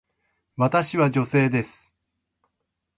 私は女性です。